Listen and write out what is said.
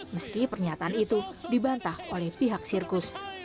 meski pernyataan itu dibantah oleh pihak sirkus